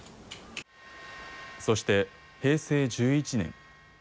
そして、平成１１年。